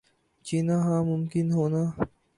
جینا ہاں ممکن ہونا